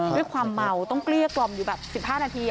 ด้วยความเมาต้องเกลี้ยกล่อมอยู่แบบ๑๕นาที